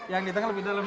yang di tengah lebih dalam